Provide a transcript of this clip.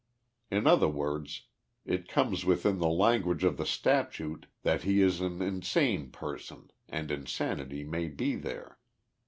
In other words it comes within the language of the statute that he is an insane person and insanity may be there.